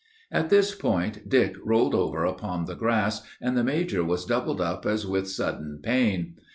At this point, Dick rolled over upon the grass, and the major was doubled up as with sudden pain.